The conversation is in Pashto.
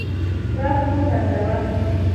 رب موونازوه